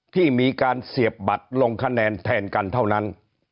ที่มีการเสียบบัตรลงคะแนนแทนกันเท่านั้น